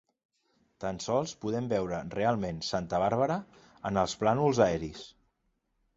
Tan sols podem veure realment Santa Bàrbara en els plànols aeris.